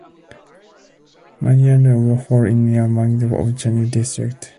Manikyadhara Falls is near Kemmangundi of Chikmagalur district.